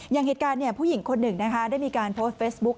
อย่างเหตุการณ์ผู้หญิงคนหนึ่งนะคะได้มีการโพสต์เฟซบุ๊ค